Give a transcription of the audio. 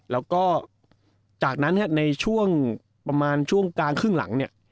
แล้วก็จากนั้นในช่วงประมาณช่วงกลางครึ่งหลังเนี่ย